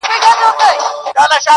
زما خبري خدايه بيرته راکه .